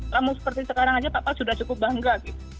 kamu seperti sekarang aja papa sudah cukup bangga